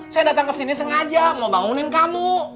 saya datang kesini sengaja mau bangunin kamu